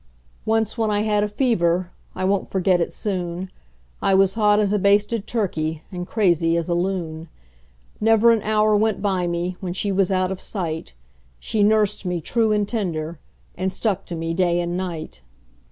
Once when I had a fever I won't forget it soon I was hot as a basted turkey and crazy as a loon; Never an hour went by me when she was out of sight She nursed me true and tender, and stuck to me day and night.